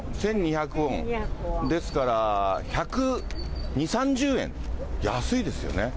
ウォン、ですから、１２０、３０円、安いですよね。